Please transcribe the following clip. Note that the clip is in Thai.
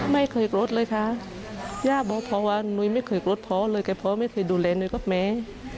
ไม่เคยโกรธเลยค่ะย่าบอกพ่อว่าหนุ๊ยไม่เคยโกรธพ่อเลยแกพ่อไม่เคยดูแลหนุ๊ยก็แม้